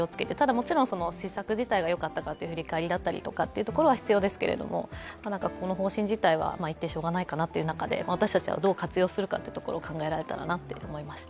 もちろん施策自体がよかったかの振り返りは必要ですけれどもこの方針自体は一定しようがないかなという中で私たちはどう活用するかというところを考えられたらなと思いました。